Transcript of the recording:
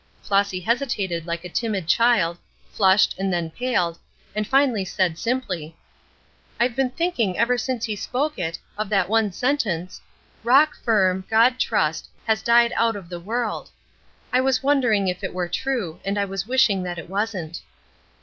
Flossy hesitated like a timid child, flushed and then paled, and finally said, simply: "I have been thinking ever since he spoke it of that one sentence, 'Rock firm, God trust, has died out of the world.' I was wondering if it were true, and I was wishing that it wasn't."